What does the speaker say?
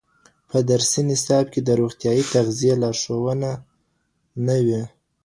په درسي نصاب کي د روغتیایی تغذیې لارښوونې نه وي.